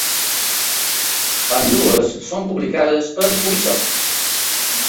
Ambdues són publicades per Ubisoft.